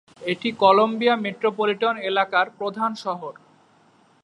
এটি Columbia metropolitan এলাকার প্রধান শহর।